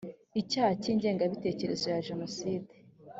icyaha cy’ingengabitekerezo ya jenoside